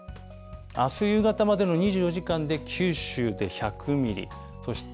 あす夕方までの２４時間で九州で１００ミリ、そして、